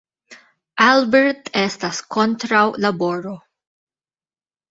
Albert estas kontraŭ laboro.